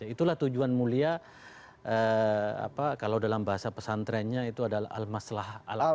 itulah tujuan mulia kalau dalam bahasa pesantrennya itu adalah almaslah